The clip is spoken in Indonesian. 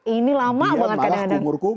ini lama banget kadang kadang